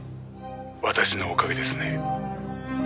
「私のおかげですね」